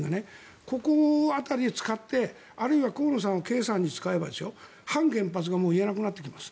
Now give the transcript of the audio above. ここ辺りを使ってあるいは河野さんを経産に使えば反原発が言えなくなってきます。